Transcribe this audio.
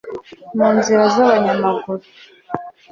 munzira z’abanyamaguru